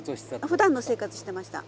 ふだんの生活してました。